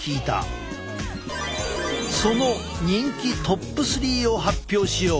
その人気ＴＯＰ３を発表しよう！